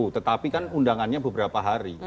tetapi kan undangannya beberapa hari